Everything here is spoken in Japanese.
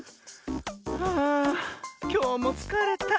はあきょうもつかれた。